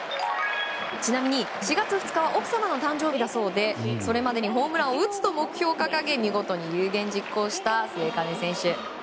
ちなみに４月２日は奥様の誕生日だそうでそれまでにホームランを打つと目標を掲げ有言実行した末包選手。